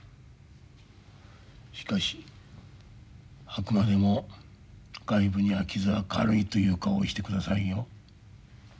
しかしあくまでも外部には傷は軽いという顔をしてくださいよ。